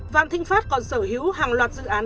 vạn thịnh pháp còn sở hữu hàng loạt dự án